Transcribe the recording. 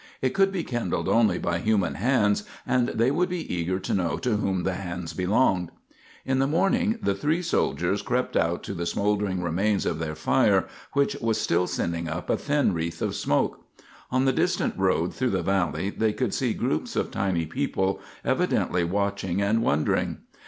It could be kindled only by human hands, and they would be eager to know to whom the hands belonged. In the morning the three soldiers crept out to the smoldering remains of their fire, which was still sending up a thin wreath of smoke. On the distant road through the valley they could see groups of tiny people, evidently watching and wondering.